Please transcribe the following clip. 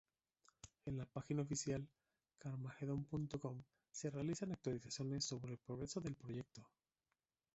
En la página oficial Carmageddon.com se realizan actualizaciones sobre el progreso del proyecto.